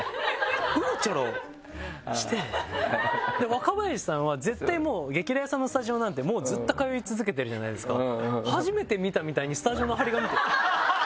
若林さんは絶対もう『激レアさん』のスタジオなんてもうずっと通い続けてるじゃないですか。